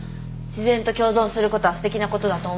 自然と共存することはすてきなことだと思うし。